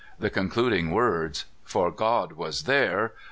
The concluding words, "for God was there!